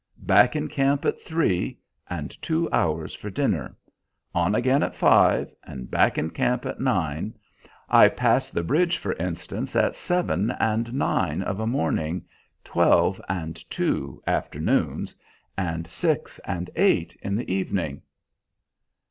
Back in camp at three, and two hours for dinner. On again at five, and back in camp at nine. I pass this bridge, for instance, at seven and nine of a morning, twelve and two afternoons, and six and eight in the evening."